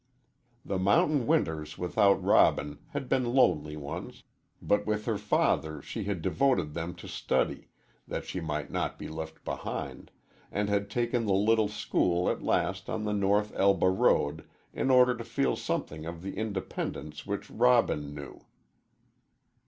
The mountain winters without Robin had been lonely ones, but with her father she had devoted them to study, that she might not be left behind, and had taken the little school at last on the North Elba road in order to feel something of the independence which Robin knew.